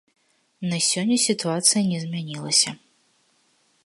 На сёння сітуацыя не змянілася.